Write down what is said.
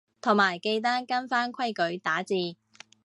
同埋記得跟返規矩打字